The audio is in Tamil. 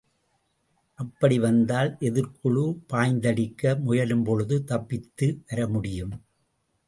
அப்படி வந்தால் எதிர்க்குழு பாய்ந்தடிக்க முயலும்பொழுது, தப்பித்து வர முடியும்.